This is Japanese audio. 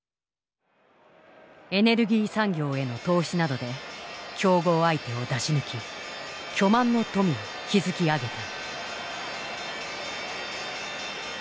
エネルギー産業への投資などで競合相手を出し抜き巨万の富を築き上げた。